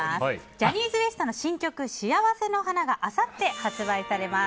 ジャニーズＷＥＳＴの新曲「しあわせの花」があさって発売されます。